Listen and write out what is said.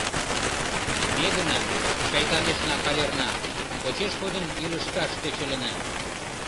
Ме гына, шайтанешна-калерна, почеш кодын илышташ тӧчылына.